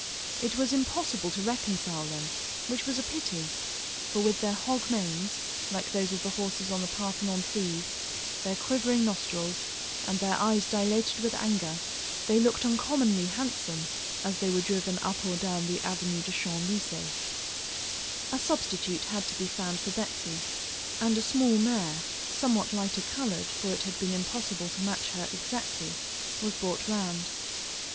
It was impossible to reconcile them, which was a pity, for with their hog manes, like those of the horses on the Parthenon frieze, their quivering nostrils, and their eyes dilated with anger, they looked uncommonly handsome as they were driven up or down the Avenue des Champs Élysées. A substitute had to be found for Betsy, and a small mare, somewhat lighter coloured, for it had been impossible to match her exactly, was brought round.